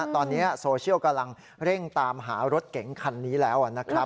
ตอนนี้โซเชียลกำลังเร่งตามหารถเก๋งคันนี้แล้วนะครับ